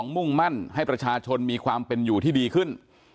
มุ่งมั่นให้ประชาชนมีความเป็นอยู่ที่ดีขึ้น